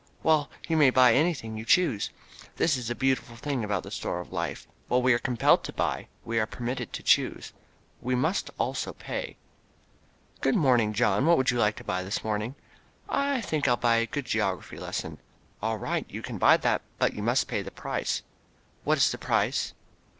Well, you may buy anything you choose. This is the beautiful thing about the big store of Life while we are compelled to buy we are permitted to choose. We must also pay. "Good morning, John, what would you like to buy this morning." "I think I'll buy a good geography lesson." "All right, you can buy that, but you must pay the price." "What is the price?"